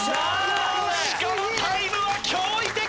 しかもタイムは驚異的！